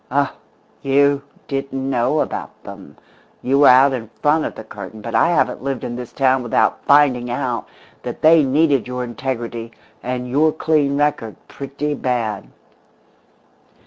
Oh, you didn't know about them; you were out in front of the curtain, but I haven't lived in this town without finding out that they needed your integrity and your clean record pretty bad!